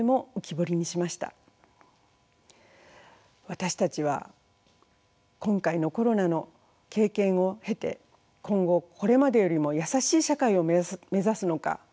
私たちは今回のコロナの経験を経て今後これまでよりも優しい社会を目指すのか。